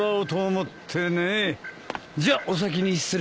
じゃお先に失礼。